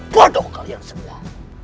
bodoh kalian semua